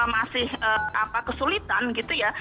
masih kesulitan gitu ya